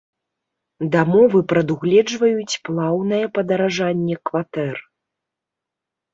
Дамовы прадугледжваюць плаўнае падаражанне кватэр.